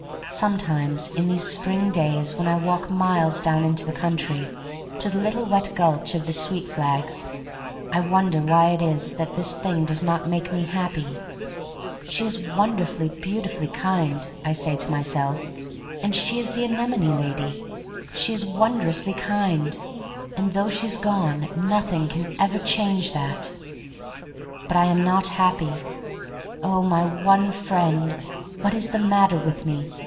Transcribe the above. "Sometimes in these spring days when I walk miles down into the coun try to the little wet gulch of the sweet flags, I wonder why it is that this thing does not make me happy. 'She is wonderfully, beautifully kind,' I say to myself— 'and she is the anemone lady She is wondrously kind, and though 314 THE STORY OF MARY MAC LANE she's gone, nothing can ever change that.' But I am not happy. 'Oh, my one friend — what is the matter with me?